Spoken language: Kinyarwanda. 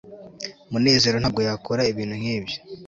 munezero ntabwo yakora ibintu nkibyo